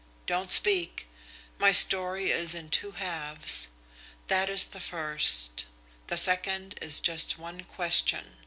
Don't speak. My story is in two halves. That is the first. The second is just one question.